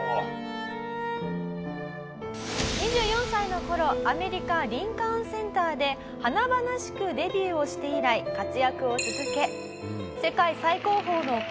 「２４歳の頃アメリカリンカーンセンターで華々しくデビューをして以来活躍を続け世界最高峰の